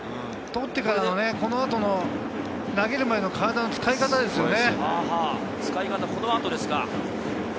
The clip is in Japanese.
捕ってからの、この後の投げるまでの体の使い方ですよね。